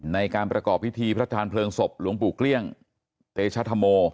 ในการประกอบพิธีพระทานเพลิงศพหลวงปู่เกลี้ยงเตชธโม